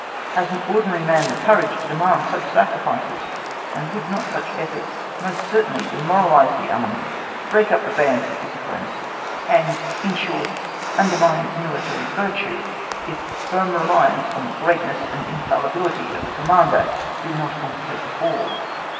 Has an ordinary man the courage to demand such sacrifices, and would not such efforts most certainly demoralise the Army, break up the bands of discipline, and, in short, undermine its military virtue, if firm reliance on the greatness and infallibility of the Commander did not compensate for all?